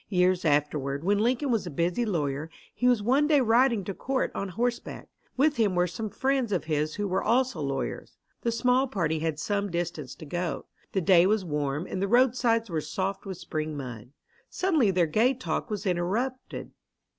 Years afterward, when Lincoln was a busy lawyer, he was one day riding to court on horseback. With him were some friends of his who were also lawyers. The small party had some distance to go. The day was warm and the roadsides were soft with spring mud. Suddenly their gay talk was interrupted.